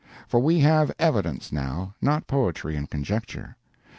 For we have "evidence" now not poetry and conjecture.